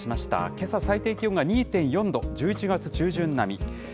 けさ、最低気温が２．４度、１１月中旬並み。